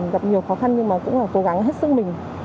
gặp nhiều khó khăn nhưng mà cũng là cố gắng hết sức mình